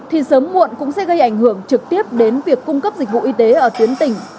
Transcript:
thì sớm muộn cũng sẽ gây ảnh hưởng trực tiếp đến việc cung cấp dịch vụ y tế ở tuyến tỉnh